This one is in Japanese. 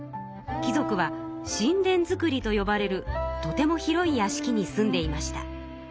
貴族は寝殿造とよばれるとても広いやしきに住んでいました。